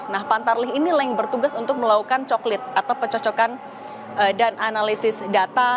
nah pantarlih inilah yang bertugas untuk melakukan coklit atau pecocokan dan analisis data